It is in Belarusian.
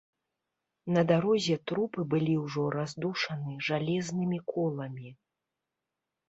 На дарозе трупы былі ўжо раздушаны жалезнымі коламі.